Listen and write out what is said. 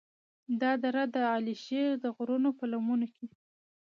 دا دره د علیشي د غرونو په لمنو کې